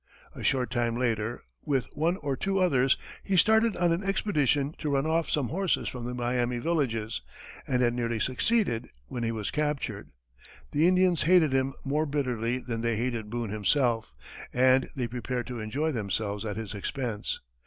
A short time later, with one or two others, he started on an expedition to run off some horses from the Miami villages, and had nearly succeeded, when he was captured. The Indians hated him more bitterly than they hated Boone himself, and they prepared to enjoy themselves at his expense.